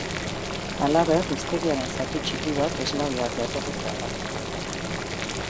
Halaber, hiztegiaren zati txiki bat eslaviar jatorrikoa da.